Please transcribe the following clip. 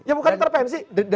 ya bukan interpensi